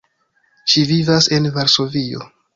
Ŝi vivas en Varsovio.